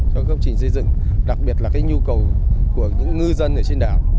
cho các công trình xây dựng đặc biệt là cái nhu cầu của những ngư dân ở trên đảo